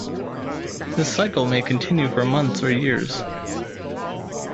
This cycle may continue for months or years.